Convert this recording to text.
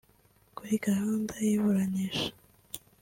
Kuri gahunda y’iburanisha